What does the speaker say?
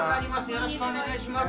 よろしくお願いします